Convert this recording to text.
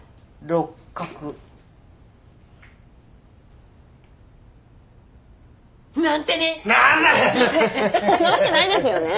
そんなわけないですよね。